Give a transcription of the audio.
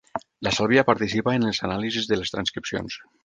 La Sàlvia participa en les anàlisis de les transcripcions.